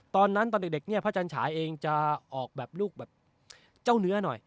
ตอนเด็กเนี่ยพระจันฉาเองจะออกแบบลูกแบบเจ้าเนื้อหน่อย